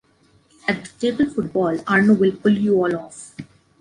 At the table football, Arno will pull you all off!